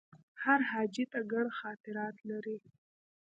هر حاجي ته ګڼ خاطرات لري.